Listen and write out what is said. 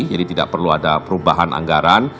jadi tidak perlu ada perubahan anggaran